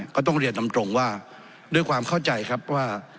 ก็ต้องเรียนตรงว่าด้วยความเข้าใจครับว่า